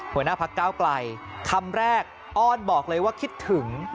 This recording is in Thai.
หัวหน้าพักก้าวไกลคำแรกอ้อนบอกเลยว่าคิดถึง